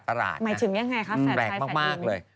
แปลกมากเลย